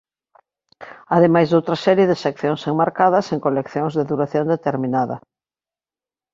Ademais doutra serie de seccións enmarcadas en coleccións de duración determinada.